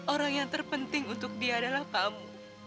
orang yang terpenting untuk dia adalah kamu